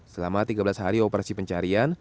selama tiga belas hari operasi pencarian